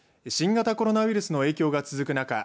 新型コロナウイルスの影響が続く中